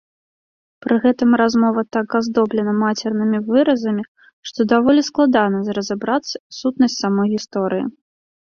Пры гэтым размова так аздоблена мацернымі выразамі, што даволі складана разабраць сутнасць самой гісторыі.